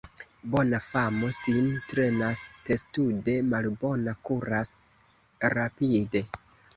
Bona famo sin trenas testude, malbona kuras rapide.